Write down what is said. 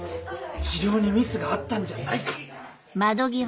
治療にミスがあったんじゃないか。